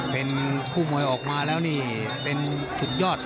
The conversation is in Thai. เป็นคู่มวยออกมาแล้วนี่เป็นสุดยอด